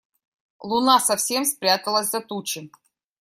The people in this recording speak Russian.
Луна совсем спряталась за тучи.